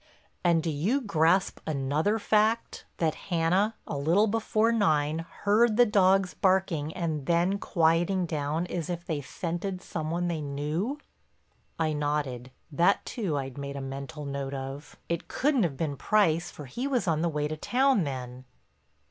"And do you grasp another fact—that Hannah a little before nine heard the dogs barking and then quieting down as if they scented some one they knew?" I nodded; that too I'd made a mental note of. "It couldn't have been Price for he was on the way to town then."